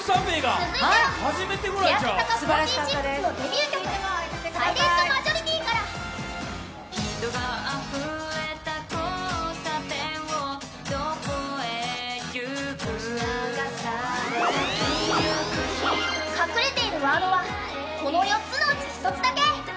続いては欅坂４６のデビュー曲「サイレントマジョリティー」から。隠れているワードは、この４つのうち１つだけ。